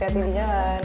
hati hati di jalan